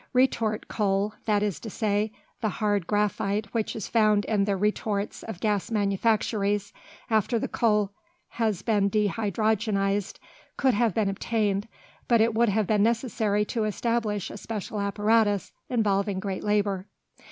Retort coal, that is to say, the hard graphyte which is found in the retorts of gas manufactories, after the coal has been dehydrogenised, could have been obtained, but it would have been necessary to establish a special apparatus, involving great labour.